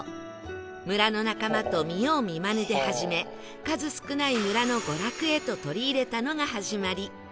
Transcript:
村の仲間と見よう見まねで始め数少ない村の娯楽へと取り入れたのが始まり